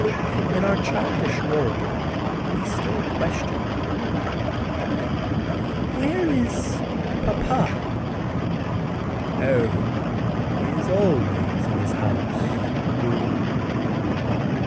In our childish role we still question: "Where is your papa?" "Oh, he is always in his house (room).